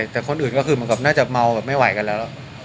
แต่คนอื่นก็คือมันก็น่าจะเมาไม่ไหวกันแล้ว